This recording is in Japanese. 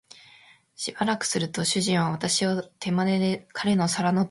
しばらくすると、主人は私を手まねで、彼の皿のところへ来い、と招きました。しかし、なにしろ私はテーブルの上を